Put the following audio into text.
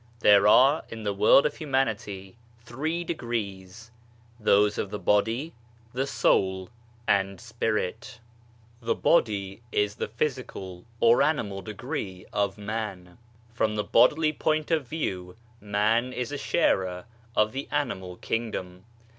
TTHERE are in the world of humanity three * degrees ; those of the body, the soul, and spirit. 88 BODY, SOUL AND SPIRIT The body is the physical or animal degree of Man. From the bodily point of view Man is a sharer of the Animal Kingdom.